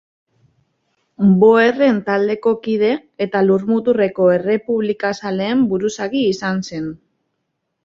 Boerren taldeko kide, eta Lurmuturreko errepublikazaleen buruzagi izan zen.